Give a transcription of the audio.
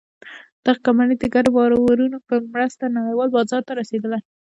دغه کمپنۍ د ګډو باورونو په مرسته نړۍوال بازار ته رسېدلې.